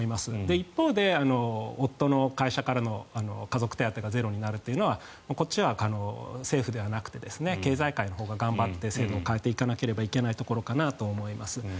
一方で、夫の会社からの家族手当がゼロになるというのはこっちは政府じゃなくて経済界のほうが頑張って制度を変えていかなければいけないところかなと思います。